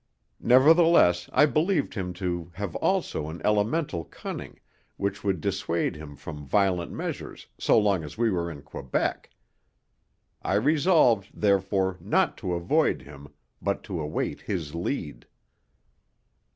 Nevertheless I believed him to have also an elemental cunning which would dissuade him from violent measures so long as we were in Quebec. I resolved, therefore, not to avoid him, but to await his lead.